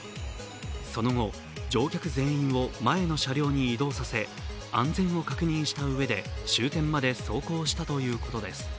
その後、乗客全員を前の車両に移動させ、安全を確認したうえで、終点まで走行したということです。